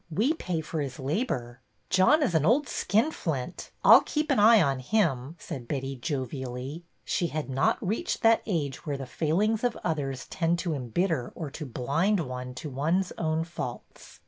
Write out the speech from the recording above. We pay for his labor." " John is an old skinflint. I 'll keep an eye on him," said Betty, jovially. She had not reached that age where the failings of others tend to embitter or to blind one to one's own faults.